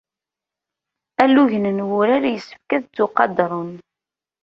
Alugen n wurar yessefk ad ttuqadṛen.